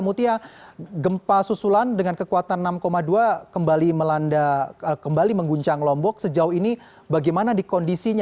mutia gempa susulan dengan kekuatan enam dua kembali melanda kembali mengguncang lombok sejauh ini bagaimana di kondisinya